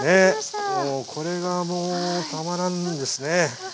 ねえこれがもうたまらんですね。